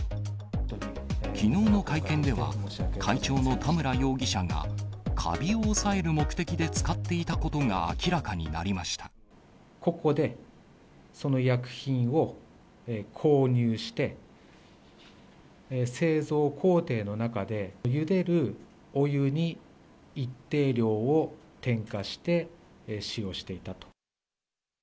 きのうの会見では、会長の田村容疑者が、カビを抑える目的で使っていたことが明らか個々で、その薬品を購入して、製造工程の中で、ゆでるお湯に一定量を添加して、使用していた。